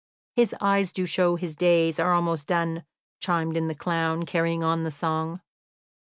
"'His eyes do show his days are almost done,'" chimed in the clown, carrying on the song.